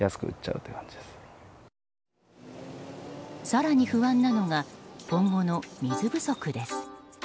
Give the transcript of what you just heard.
更に不安なのが今後の水不足です。